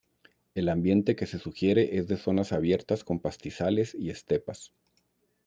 El ambiente que se sugiere es de zonas abiertas con pastizales y estepas.